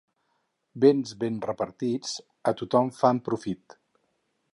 Béns ben repartits a tothom fan profit.